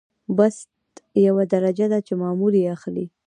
بست یوه درجه ده چې مامور یې اخلي.